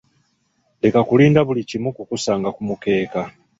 Leka kulinda buli kimu kukusanga ku mukeeka.